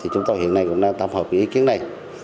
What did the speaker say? chúng tôi hiện nay cũng đang tâm hợp với ý kiến này